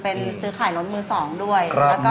เป็นซื้อขายรถมือ๒ด้วย